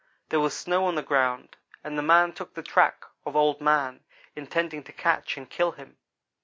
There was snow on the ground and the man took the track of Old man, intending to catch and kill him.